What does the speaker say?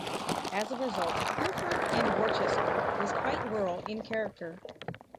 As a result, Hereford and Worcester was quite rural in character.